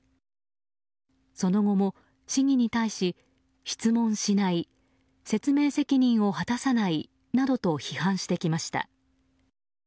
その後も市議に対し質問しない説明責任を果たさないなどと批判してきました。